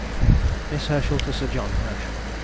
MISS HERSCHEL TO SIR JOHN HERSCHEL.